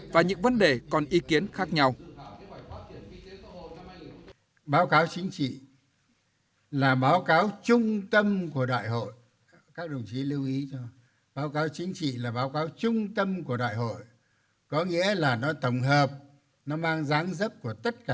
và những vấn đề còn ý kiến khác nhau